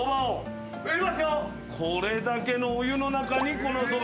これだけのお湯の中にこの蕎麦。